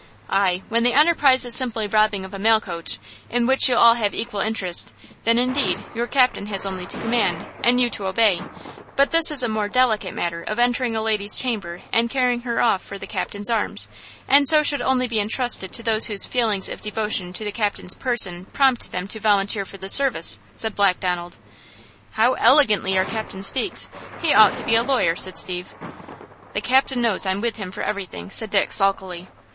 "Ay! when the enterprise is simply the robbing of a mail coach, in which you all have equal interest, then, indeed, your captain has only to command, and you to obey, but this is a more delicate matter of entering a lady's chamber and carrying her off for the captain's arms, and so should only be entrusted to those whose feelings of devotion to the captain's person prompt them to volunteer for the service," said Black Donald. "How elegantly our captain speaks! He ought to be a lawyer," said Steve. "The captain knows I'm with him for everything," said Dick, sulkily.